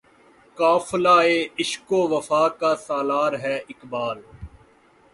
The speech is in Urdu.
قافلہِ عشق و وفا کا سالار ہے اقبال